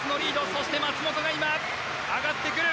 そして松元が今上がってくる。